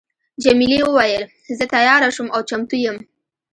جميلې وويل: زه تیاره شوم او چمتو یم.